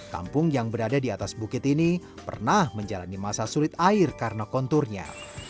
kampung yang berada di atas bukit ini pernah menjalani masa sulit air karena konturnya